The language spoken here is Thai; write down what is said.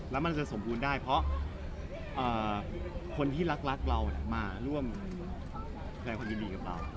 แล้วมันจะสมบูรณ์ได้เพราะคนที่รักรักเรามาร่วมใครคนดีกับเรา